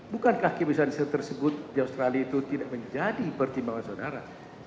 bukankah kebebasan tersebut di australia itu tidak menjadi pertimbangan saudara